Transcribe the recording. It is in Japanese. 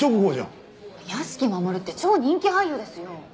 屋敷マモルって超人気俳優ですよ！